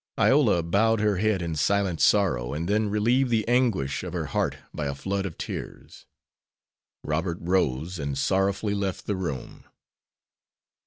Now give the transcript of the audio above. Iola bowed her head in silent sorrow, and then relieved the anguish of her heart by a flood of tears. Robert rose, and sorrowfully left the room.